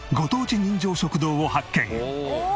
人情食堂を発見。